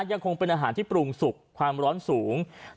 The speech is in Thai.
ยังคงเป็นอาหารที่ปรุงสุกความร้อนสูง